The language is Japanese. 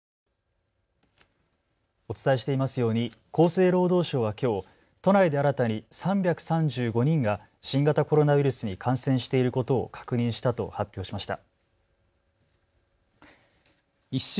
お伝えしていますように厚生労働省はきょう都内で新たに３３５人が新型コロナウイルスに感染していることを確認したと発表しました。